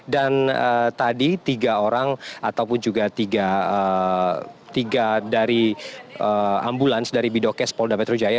dan tadi tiga orang ataupun juga tiga dari ambulans dari bidokes polda petrujaya